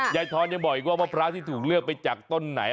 ทอนยังบอกอีกว่ามะพร้าวที่ถูกเลือกไปจากต้นไหน